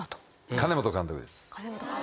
金本監督です。